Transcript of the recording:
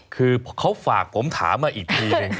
คือเขาฝากผมถามอีกที